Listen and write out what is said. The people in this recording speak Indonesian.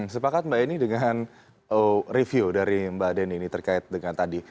sepakat mbak eni dengan review dari mbak denny ini terkait dengan tadi